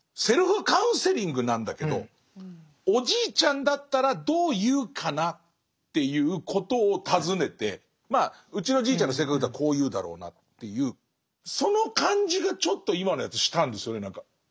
セルフカウンセリングなんだけど「おじいちゃんだったらどう言うかな？」っていうことを尋ねてまあうちのじいちゃんの性格だとこう言うだろうなっていうその感じがちょっと今のやつしたんですよね何か。